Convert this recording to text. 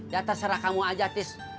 ya terserah kamu aja tis